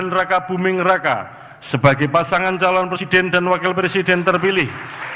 dan raka buming raka sebagai pasangan calon presiden dan wakil presiden terpilih